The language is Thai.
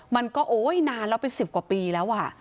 มันก็นานแล้วเป็นสิบกว่าปีแล้ว